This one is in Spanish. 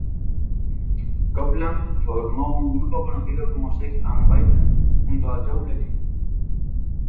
Copeland formó un equipo conocido como Sex and Violence junto a Joe Legend.